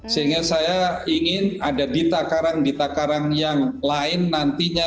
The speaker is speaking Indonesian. sehingga saya ingin ada ditakarang ditakarang yang lain nantinya